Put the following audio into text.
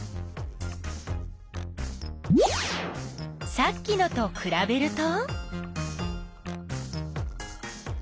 さっきのとくらべると？